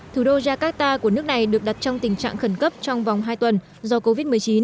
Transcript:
thủ đô jakarta của nước này được đặt trong tình trạng khẩn cấp trong vòng hai tuần do covid một mươi chín